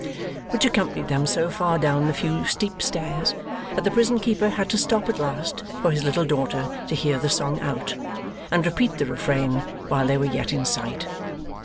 Which accompanied them so far down the few steep stairs, that the prison keeper had to stop at last for his little daughter to hear the song out, and repeat the Refrain while they were yet in sight.